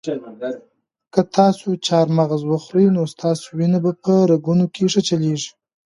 که تاسي چهارمغز وخورئ نو ستاسو وینه به په رګونو کې ښه چلیږي.